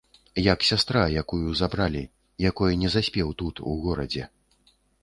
Як сястра, якую забралі, якой не заспеў тут, у горадзе.